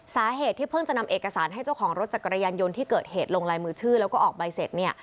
สาเหตุที่เพิ่งจะนำเอกสารให้เจ้าของรถจักรยานยนต์ที่เกิดเหตุลงลายมือชื่อแล้วก็ออกใบเสร็จ